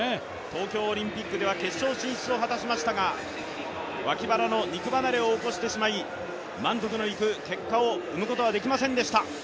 東京オリンピックでは決勝進出を果たしましたが脇腹の肉離れを起こしてしまい満足のいく結果を生むことはできませんでした。